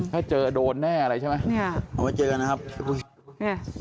ถ้าเจอโดนแน่อะไรใช่ไหม